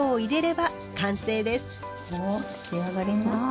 お出来上がりました。